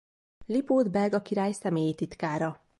Lipót belga király személyi titkára.